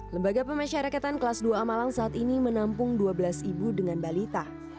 lembaga pemasyarakatan kelas dua a malang saat ini menampung dua belas ibu dengan balita